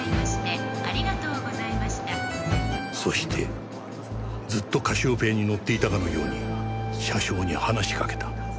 そしてずっとカシオペアに乗っていたかのように車掌に話しかけた。